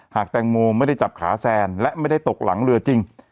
หากแตงโมไม่ได้จับขาแซนและไม่ได้ตกหลังเรือจริง